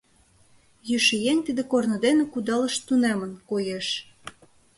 Йӱшӧ еҥ тиде корно дене кудалышт тунемын, коеш.